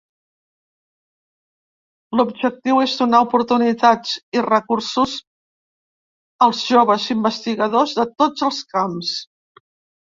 L’objectiu és donar oportunitats i recursos als joves investigadors de tots els camps.